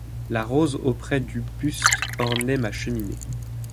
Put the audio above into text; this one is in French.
La rose auprès du buste ornait ma cheminée ;